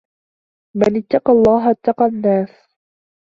مَنْ اتَّقَى اللَّهَ اتَّقَى النَّاسَ